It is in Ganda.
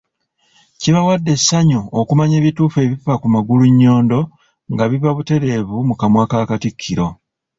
Kkibawadde essanyu okumanya ebituufu ebifa ku Magulunnyondo nga biva buteerevu mu kamwa ka Katikkiro